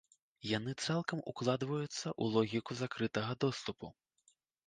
Яны цалкам укладваюцца ў логіку закрытага доступу.